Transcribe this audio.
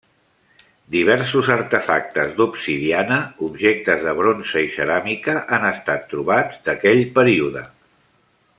Diversos artefactes d'obsidiana, objectes de bronze i ceràmica han estat trobats d'aquell període.